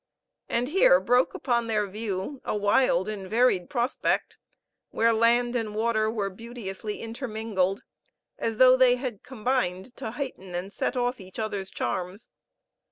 And here broke upon their view a wild and varied prospect, where land and water were beauteously intermingled, as though they had combined to heighten and set off each other's charms.